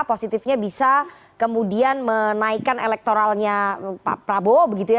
positifnya bisa kemudian menaikkan elektoralnya pak prabowo begitu ya